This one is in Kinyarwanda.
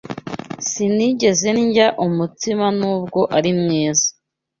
Sinigeze ndya umutsima nubwo ari mwiza